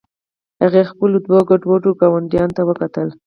هغې خپلو دوو ګډوډو ګاونډیانو ته وکتل